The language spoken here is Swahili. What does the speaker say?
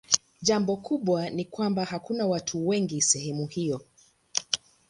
Jambo kubwa ni kwamba hakuna watu wengi sehemu hiyo.